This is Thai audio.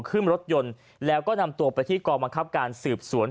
ขึ้นรถยนต์แล้วก็นำตัวไปที่กองบังคับการสืบสวน